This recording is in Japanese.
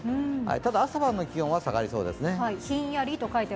ただ、朝晩の気温は下がりそうですね。